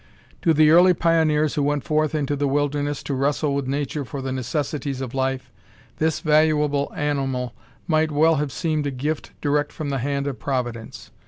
To the early pioneers who went forth into the wilderness to wrestle with nature for the necessities of life, this valuable animal might well have seemed a gift direct from the hand of Providence.